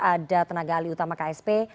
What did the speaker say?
ada tenaga alih utama ksp